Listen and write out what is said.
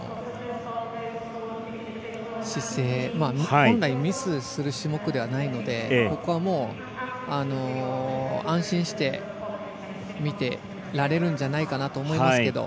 本来ミスする種目ではないので、ここはもう安心して見てられるんじゃないかなと思いますけど。